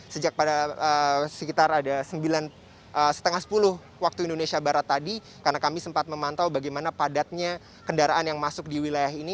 sejak pada sekitar ada sembilan lima sepuluh waktu indonesia barat tadi karena kami sempat memantau bagaimana padatnya kendaraan yang masuk di wilayah ini